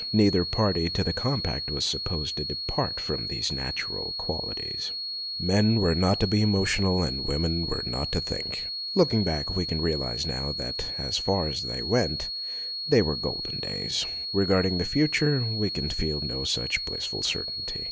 Neither party to the com pact was supposed to depart from these natural qualities. Men were not to be emo THE NEW SEX 145 tional, and women were not to think. Look ing back we can realize now that as far as they went they were golden days. Regard ing the future we can feel no such blissful certainty.